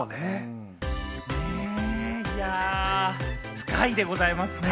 深いでございますね。